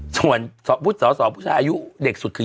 ส่ออายุเด็กสุดคือ๒๘